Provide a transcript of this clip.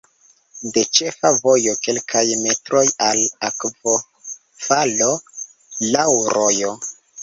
De ĉefa vojo kelkaj metroj al akvofalo laŭ rojo.